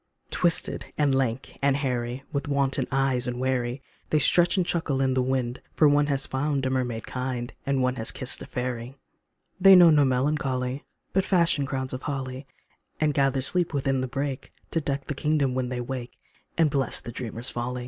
Twisted and lank and hairy, With wanton eyes and wary, They stretch and chuckle in the wind, For one has found a mermaid kind, And one has kissed a fairy. They know no melancholy, But fashion crowns of holly, And gather sleep within the brake To deck a kingdom when they wake, And bless the dreamer's folly.